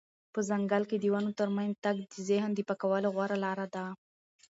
په ځنګل کې د ونو ترمنځ تګ د ذهن د پاکولو غوره لاره ده.